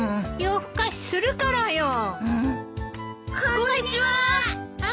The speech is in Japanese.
こんにちは。